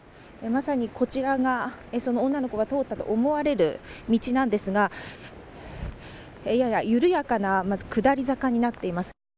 まさにこちらが、その女の子が通ったと思われる道なんですがやや緩やかな下り坂になっています。